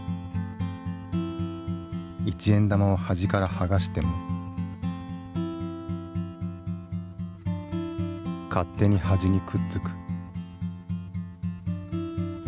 一円玉を端から剥がしても勝手に端にくっつく。